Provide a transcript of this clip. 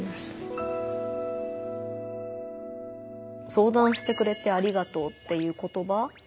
「相談してくれてありがとう」っていう言葉。